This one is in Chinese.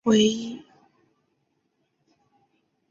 现在，青春是用来奋斗的；将来，青春是用来回忆的。